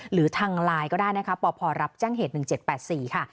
หรือทางไลน์ก็ได้นะคะปพรับแจ้งเหตุ๑๗๘๔ค่ะ